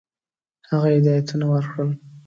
هغه هدایتونه ورکړل.